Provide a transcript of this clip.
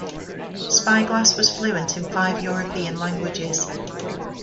Spyglass was fluent in five European languages.